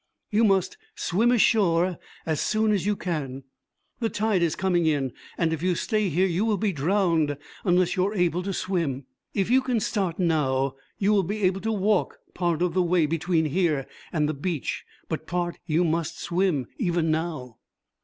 'You must swim ashore as soon as you can. The tide is coming in and if you stay here you will be drowned, unless you are able to swim. If you can start now you will be able to walk part of the way between here and the beach; but part you must swim, even now.'